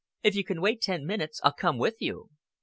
If you can wait ten minutes, I'll come with you."